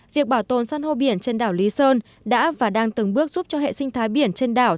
việc bảo tồn săn hô biển trên đảo lý sơn đã và đang từng bước giúp cho hệ sinh thái biển trên đảo